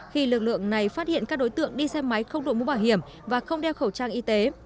khi lực lượng này phát hiện các đối tượng đi xe máy không đội mũ bảo hiểm và không đeo khẩu trang y tế